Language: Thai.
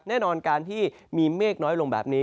แน่นอนการที่มีเมฆน้อยลงแบบนี้